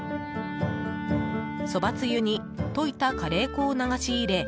そばつゆに溶いたカレー粉を流し入れ